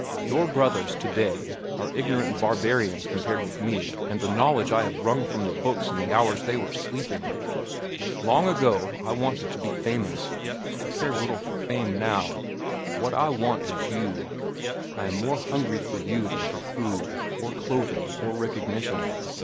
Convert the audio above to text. Your brothers, to day, are ignorant barbarians compared with me and the knowledge I have wrung from the books in the hours they were sleeping. Long ago I wanted to be famous. I care very little for fame now. What I want is you; I am more hungry for you than for food, or clothing, or recognition.